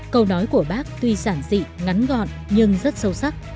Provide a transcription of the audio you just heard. câu nói của bác tuy sản dị ngắn ngọn nhưng rất sâu sắc